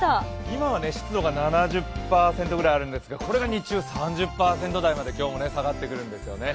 今は湿度が７０％ぐらいあるんですけどこれが日中は３０％台まで下がってくるんですよね。